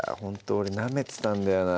俺なめてたんだよな